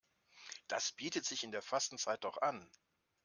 Das bietet sich in der Fastenzeit doch an.